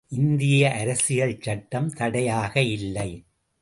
இந்திய அரசியல் சட்டம் தடையாக இல்லை.